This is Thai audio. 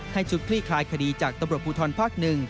ให้ชุดคลี่คลายคดีจากตำรวจพูทรภักดิ์๑